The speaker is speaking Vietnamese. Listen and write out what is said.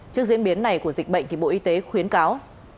trước diễn biến này của dịch bệnh thì bộ y tế khuyến cáo